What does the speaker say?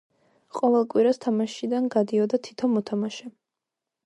ყოველ კვირას თამაშიდან გადიოდა თითო მოთამაშე.